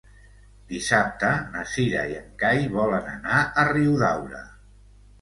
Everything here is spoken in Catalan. Dissabte na Cira i en Cai volen anar a Riudaura.